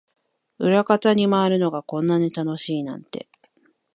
裏方に回るのがこんなに楽しいなんて